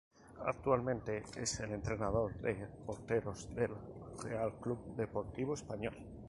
Actualmente es el entrenador de porteros del Real Club Deportivo Español.